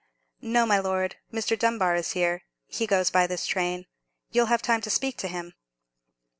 "No, my Lord. Mr. Dunbar is here; he goes by this train. You'll have time to speak to him."